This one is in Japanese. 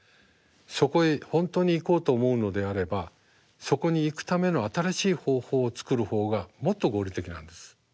そこへ本当に行こうと思うのであればそこに行くための新しい方法を作る方がもっと合理的なんです。